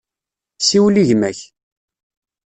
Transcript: Siwel i gma-k.